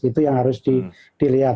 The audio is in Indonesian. itu yang harus dilihat